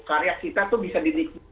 jadi mungkin untuk menambah semangat kenapa